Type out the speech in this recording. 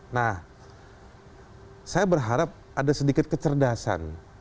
nah saya berharap ada sedikit kecerdasan